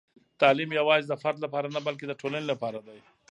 تعلیم یوازې د فرد لپاره نه، بلکې د ټولنې لپاره دی.